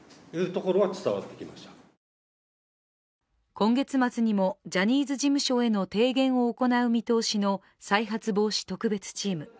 今月末にもジャニーズ事務所への提言を行う見通しの再発防止特別チーム。